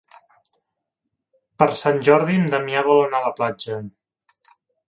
Per Sant Jordi en Damià vol anar a la platja.